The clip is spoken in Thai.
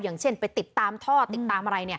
อย่างเช่นติดตามท่อติดตามอะไร